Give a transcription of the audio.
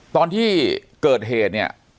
ตอนที่เกิดเหตุเนี่ย